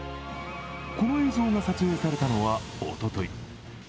この映像が撮影されたのはおととい